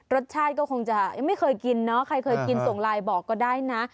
รสชาติก็คงจะยังไม่เคยกินเนาะใครเคยกินส่งไลน์บอกก็ได้นะ